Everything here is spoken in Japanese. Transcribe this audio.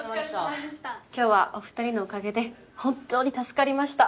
今日はお２人のおかげで本当に助かりました。